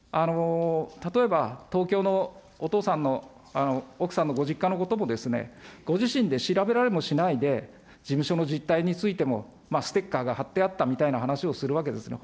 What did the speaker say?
例えば、東京のお父さんの、奥さんのご実家のこともですね、ご自身で調べられもしないで、事務所の実態についても、ステッカーが貼ってあったみたいな話をするわけですね。